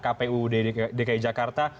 kpu dki jakarta